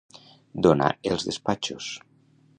Donar els despatxos.